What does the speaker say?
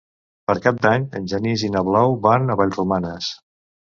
Per Cap d'Any en Genís i na Blau van a Vallromanes.